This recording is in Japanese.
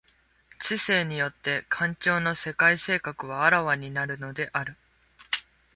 知性によって環境の世界性格は顕わになるのである。